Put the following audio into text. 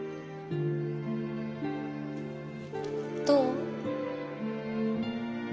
どう？